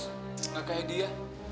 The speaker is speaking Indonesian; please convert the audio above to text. tidak seperti dia